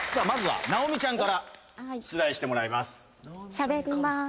しゃべります。